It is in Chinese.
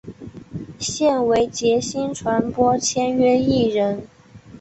现为杰星传播签约艺人。